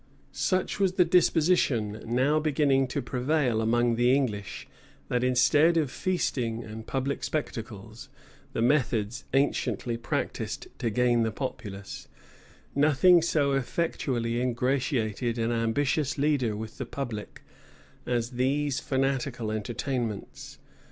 Such was the disposition now beginning to prevail among the English, that, instead of feasting and public spectacles, the methods anciently practised to gain the populace, nothing so effectually ingratiated an ambitious leader with the public as these fanatical entertainments.